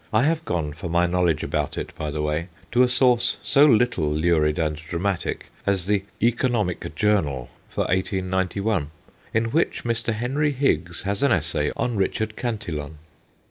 I have gone for my knowledge about it, by the way, to a source so little lurid and dramatic as The Economic Journal for 1891, in which Mr. Henry Higgs has an essay on Richard Can tillon.